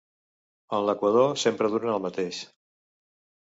En l'equador sempre duren el mateix.